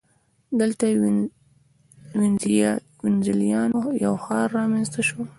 دلته د وینزیانو یو ښار رامنځته شو.